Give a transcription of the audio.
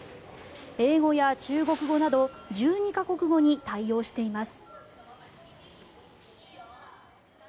英語や中国語など１２か国語に対応しています。